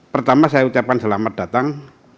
pertama saya ucapkan selamat datang